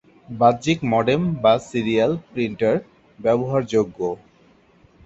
বাহ্যিক মডেম বা serial printer ব্যবহারযোগ্য।